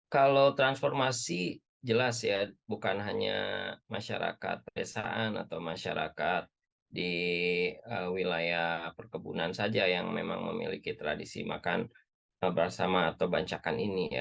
kalau transformasi jelas ya bukan hanya masyarakat desaan atau masyarakat di wilayah perkebunan saja yang memang memiliki tradisi makan bersama atau bancakan ini ya